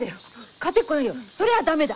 勝てっこないよ。それは駄目だ。